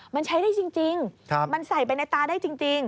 มันใช้ได้จริงมันใส่ไปในตาได้จริง